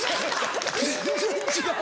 全然違う！